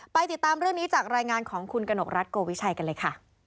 ติดตามเรื่องนี้จากรายงานของคุณกนกรัฐโกวิชัยกันเลยค่ะ